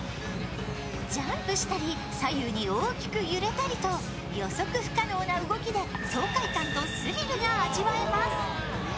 ジャンプしたり、左右に大きく揺れたりと予測不可能な動きで爽快感とスリルが味わえます。